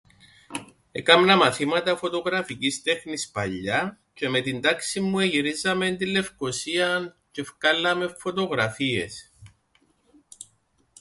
Έκαμνα μαθήματα φωτογραφικής τέχνης παλιά, τζ̆αι με την τάξην μου εγυρίζαμεν την Λευκωσίαν τζ̆ι εφκάλλαμεν φωτογραφίες.